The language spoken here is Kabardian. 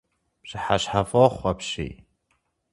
Пщыхьэщхьэфӏохъу апщий!